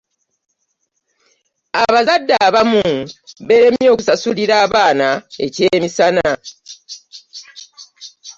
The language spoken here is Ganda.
Abazadde abamu beeremye okusasulira abaana ekyemisana.